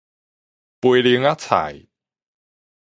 菠薐仔菜